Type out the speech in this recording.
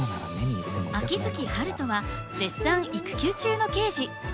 秋月春風は絶賛育休中の刑事。